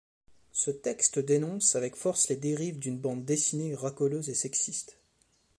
Ce texte dénonce avec force les dérives d'une bande dessinée racoleuse et sexiste.